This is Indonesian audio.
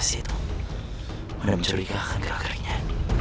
saya mencurigakan keakhirannya